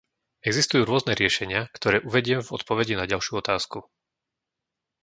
Existujú rôzne riešenia, ktoré uvediem v odpovedi na ďalšiu otázku.